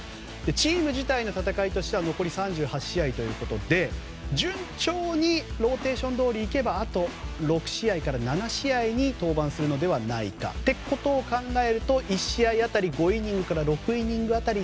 チーム自体の戦いとしては残り３８試合ということで順調にローテーション通りいけばあと６７試合に登板するのではないかと考えると１試合当たり５イニングから６イニング辺り